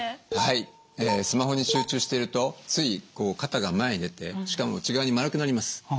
はいスマホに集中しているとつい肩が前に出てしかも内側に丸くなります。